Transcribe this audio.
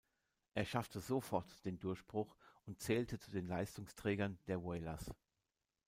Er schaffte sofort den Durchbruch und zählte zu den Leistungsträgern der Whalers.